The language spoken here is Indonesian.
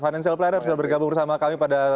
financial planner sudah bergabung bersama kami pada